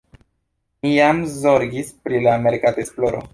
Ni jam zorgis pri la merkatesploro.